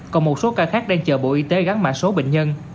còn một số ca khác đang chờ bộ y tế gắn mã số bệnh nhân